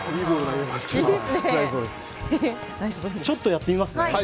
ちょっとやってみます。